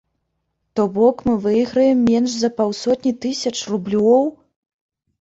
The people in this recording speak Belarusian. То бок мы выйграем менш за паўсотні тысяч рублёў?!